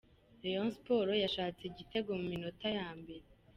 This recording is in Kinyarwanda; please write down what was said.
Rayon Sports yashatse igitego mu minota ya mbere.